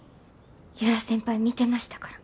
由良先輩見てましたから。